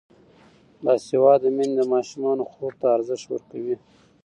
باسواده میندې د ماشومانو خوب ته ارزښت ورکوي.